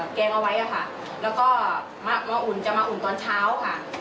แกงเอาไว้ค่ะแล้วก็มาอุ่นจะมาอุ่นตอนเช้าค่ะ